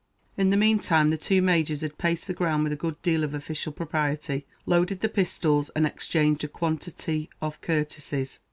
In the meantime the two Majors had paced the ground with a good deal of official propriety, loaded the pistols, and exchanged a quantity of courtesies.